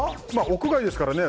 屋外ですからね。